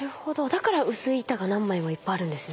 だから薄い板が何枚もいっぱいあるんですね。